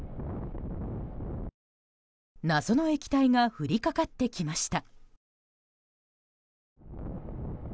謎の液体が降りかかってきました。